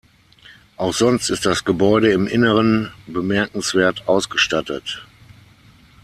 Auch sonst ist das Gebäude im Inneren bemerkenswert ausgestattet.